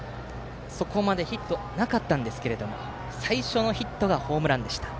そこまでヒットがなかったんですが最初のヒットがホームランでした。